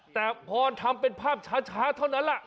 แต่พอทำเป็นภาพช้าเท่านั้นแหละ